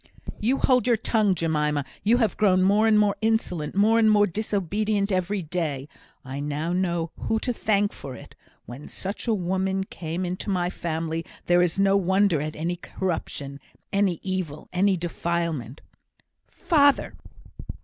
"You hold your tongue, Jemima. You have grown more and more insolent more and more disobedient every day. I now know who to thank for it. When such a woman came into my family there is no wonder at any corruption any evil any defilement " "Father!"